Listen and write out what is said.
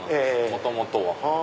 元々は。